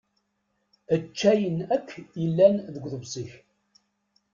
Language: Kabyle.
Ečč ayen akk i yellan deg uḍebsi-k.